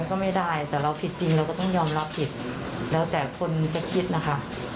เราต้องยอมรับผิดแล้วแต่คนจะคิดนะคะ